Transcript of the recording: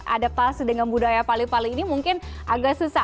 ada palsu dengan budaya pali pali ini mungkin agak susah